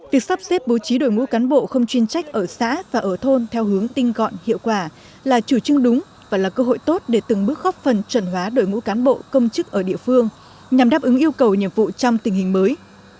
việc sắp xếp bố trí đội ngũ cán bộ không chuyên trách ở xã và ở thôn theo hướng tinh gọn hiệu quả là chủ trương đúng và là cơ hội tốt để từng bước góp phần chuẩn hóa đội ngũ cán bộ công chức ở địa phương nhằm đáp ứng yêu cầu nhiệm vụ trong tình hình mới